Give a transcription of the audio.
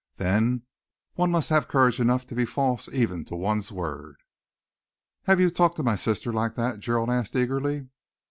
Then one must have courage enough to be false even to one's word." "Have you talked to my sister like that?" Gerald asked eagerly.